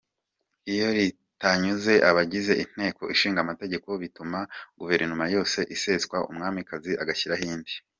Iyo ritanyuze abagize inteko ishinga amategeko bituma guverinoma yose iseswa umwamikazi agashyiraho indi.